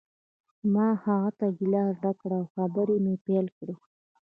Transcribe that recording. ما هغه ته ګیلاس ډک کړ او خبرې مې پیل کړې